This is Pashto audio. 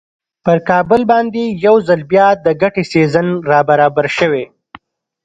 پر کابل باندې یو ځل بیا د ګټې سیزن را برابر شوی.